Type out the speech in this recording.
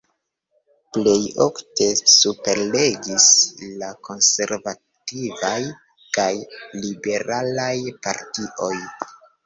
Plej ofte superregis la konservativaj kaj liberalaj partioj.